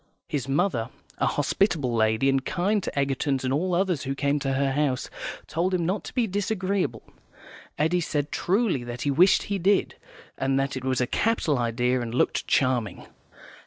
His mother, a hospitable lady, and kind to Egertons and all others who came to her house, told him not to be disagreeable. Eddy said, truly, that he wished he did, and that it was a capital idea and looked charming.